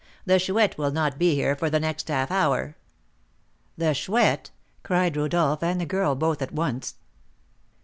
The Chouette will not be here for the next half hour." "The Chouette!" cried Rodolph and the girl both at once.